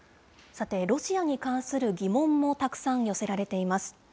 さて、ロシアに関する疑問もたくさん寄せられています。